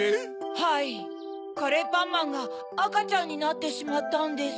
・・はい・カレーパンマンがあかちゃんになってしまったんです。